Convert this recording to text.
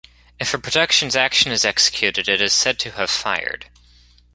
If a production's action is executed, it is said to have "fired".